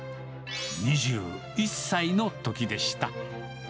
２１歳のときでした。